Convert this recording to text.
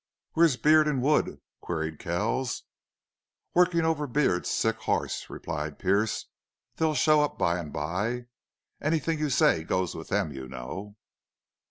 "Where're Beard and Wood?" queried Kells. "Workin' over Beard's sick hoss," replied Pearce. "They'll show up by an' by. Anythin' you say goes with them, you know."